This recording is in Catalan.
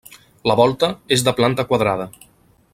La volta és de planta quadrada.